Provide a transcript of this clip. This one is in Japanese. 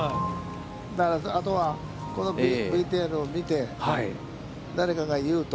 だからあとはこのＶＴＲを見て、誰かが言うと。